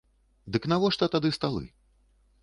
Дык навошта тады сталы?